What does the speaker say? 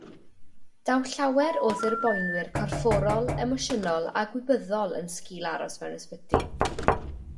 Daw llawer o ddirboenwyr corfforol, emosiynol a gwybyddol yn sgil aros mewn ysbyty.